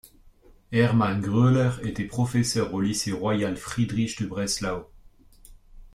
Hermann Gröhler était professeur au lycée royal Friedrich de Breslau.